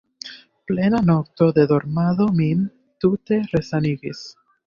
Plena nokto de dormado min tute resanigis.